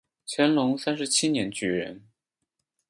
乾隆三十九年举人。